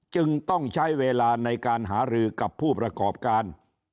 จึงต้องใช้เวลาในการหารือกับผู้ประกอบการ